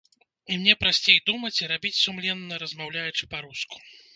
І мне прасцей думаць і рабіць сумленна, размаўляючы па-руску.